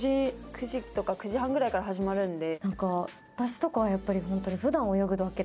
９時とか９時半ぐらいから始まるんで。